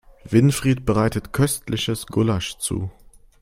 Winfried bereitet köstliches Gulasch zu.